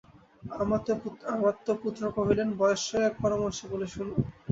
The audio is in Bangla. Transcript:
অমাত্যপুত্র কহিলেন, বয়স্য, এক পরামর্শ বলি শুন।